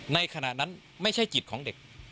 ขณะนั้นไม่ใช่จิตของเด็ก